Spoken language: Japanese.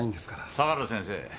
相良先生